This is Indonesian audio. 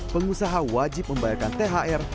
pengusaha wajib membayarkan thr